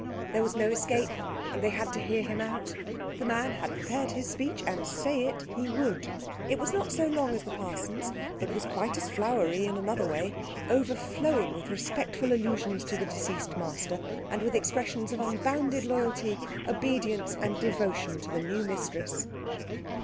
There was no escape, and they had to hear him out. The man had prepared his speech, and say it he would. It was not so long as the parson's, but was quite as flowery in another way, overflowing with respectful allusions to the deceased master, and with expressions of unbounded loyalty, obedience, and devotion to the new mistress.